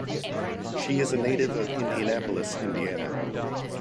She is a native of Indianapolis, Indiana.